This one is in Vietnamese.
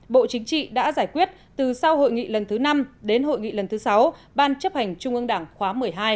bộ chính trị đã giải quyết từ sau hội nghị lần thứ năm đến hội nghị lần thứ sáu ban chấp hành trung ương đảng khóa một mươi hai